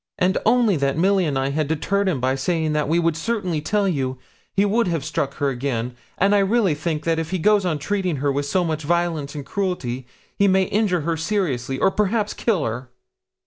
'And only that Milly and I deterred him by saying that we would certainly tell you, he would have struck her again; and I really think if he goes on treating her with so much violence and cruelty he may injure her seriously, or perhaps kill her.'